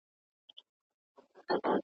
د ملګرو مرسته اسانه وي.